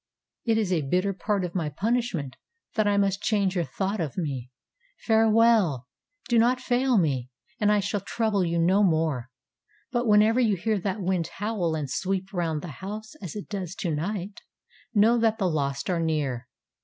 It is a bitter part of my punishment that I must change your thought of me. Farewell! Do not fail me, and I shall trouble you no more. But whenever you hear that wind howl and sweep round the house as it does to night, know that the lost are near.